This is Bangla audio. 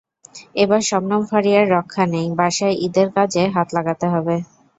এবার শবনম ফারিয়ার রক্ষা নেই, বাসায় ঈদের কাজে হাত লাগাতে হবে।